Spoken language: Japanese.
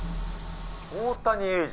大谷英治